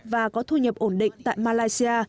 và có thu nhập ổn định tại malaysia